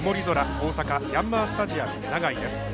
大阪・ヤンマースタジアム長居です。